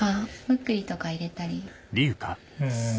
ムックリとか入れたりして。